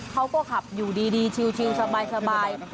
เขาก็ขับอยู่ดีชิลสบาย